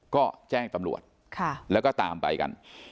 ก็แจ้งตำรวจแล้วก็ตามไปกัน